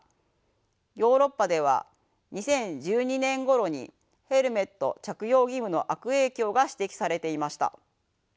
ヨーロッパでは２０１２年ごろにヘルメット着用義務の悪影響が指摘されていました。